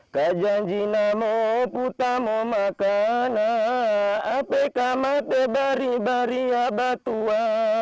kajan jinamo putamo makana ape kamate bari bari abatua